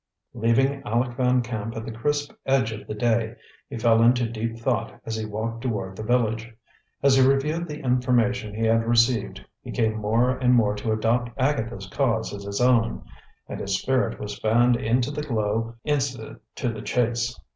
Leaving Aleck Van Camp at the crisp edge of the day, he fell into deep thought as he walked toward the village. As he reviewed the information he had received, he came more and more to adopt Agatha's cause as his own, and his spirit was fanned into the glow incident to the chase.